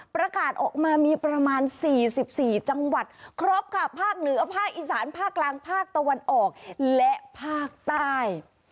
ประกาศออกมามีประมาณ๔๔จังหวัดครบค่ะภาคเหนือภาคอีสานภาคกลางภาคตะวันออกและภาคใต้